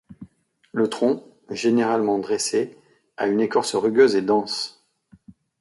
Le tronc, généralement dressé, a une écorce rugueuse et dense.